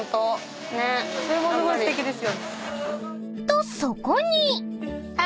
［とそこに］